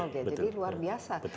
jadi luar biasa